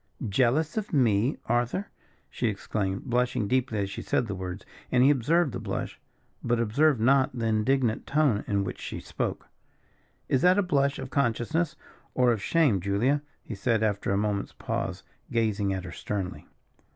"Jealous of me, Arthur?" she exclaimed, blushing deeply as she said the words; and he observed the blush, but observed not the indignant tone in which she spoke. "Is that a blush of consciousness, or of shame, Julia?" he said, after a moment's pause, gazing at her sternly.